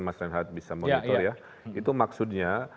mas renhat bisa monitor ya itu maksudnya